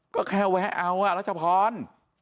ก็แค่แวะเอาอะรัชภรณ์